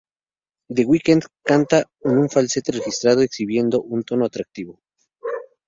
The Weeknd canta en un falsete registrado, exhibiendo un tono atractivo.